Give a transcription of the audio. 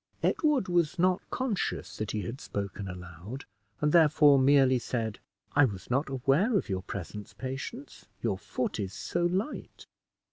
Edward was not conscious that he had spoken aloud, and therefore merely said, "I was not aware of your presence, Patience. Your foot is so light."